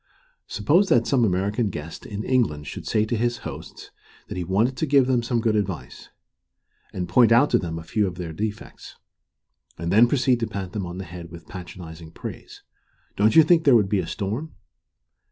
Suppose that some American guest in England should say to his hosts that he wanted to give them some good advice, and point out to them a few of their defects, and then proceed to pat them on the head with patronizing praise, don't you think there would be a storm?